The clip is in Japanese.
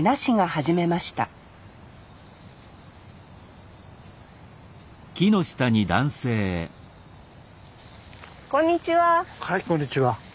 はいこんにちは。